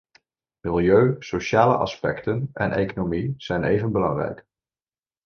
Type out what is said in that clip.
Milieu, sociale aspecten en economie zijn even belangrijk.